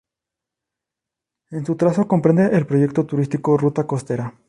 En su trazado comprende el proyecto turístico "Ruta Costera".